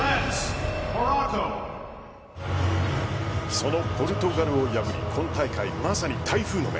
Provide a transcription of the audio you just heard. そのポルトガルを破り今大会、まさに台風の目